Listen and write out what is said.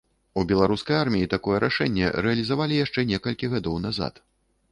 У беларускай арміі такое рашэнне рэалізавалі яшчэ некалькі гадоў назад.